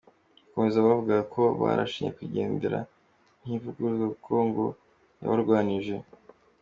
Bagakomeza bavuga ko barashe nyakwigendera Ntivuguruzwa kuko ngo yabarwanije.